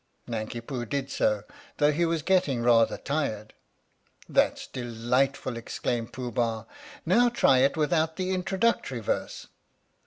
Nanki Poo did so, though he was getting rather tired. " That 's delightful! " exclaimed Pooh Bah. " Now try it without the introductory verse."